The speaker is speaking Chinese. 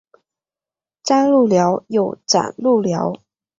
张路寮又掌路寮。